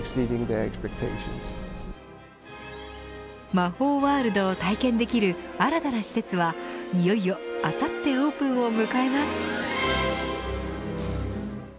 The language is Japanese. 魔法ワールドを体験できる新たな施設はいよいよ、あさってオープンを迎えます。